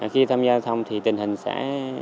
khi tham gia giao thông thì tình hình sẽ